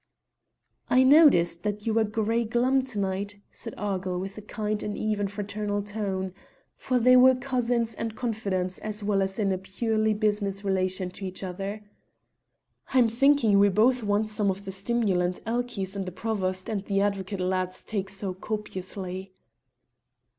"I noticed that you were gey glum to night," said Argyll with a kind and even fraternal tone, for they were cousins and confidants as well as in a purely business relation to each other. "I'm thinking we both want some of the stimulant Elchies and the Provost and the advocate lads take so copiously."